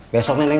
besok nenek pulang